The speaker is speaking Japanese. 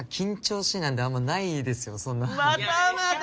またまた。